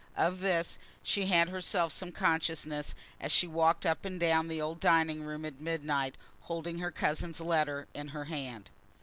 Of this she had herself some consciousness, as she walked up and down the old dining room at midnight, holding her cousin's letter in her hand.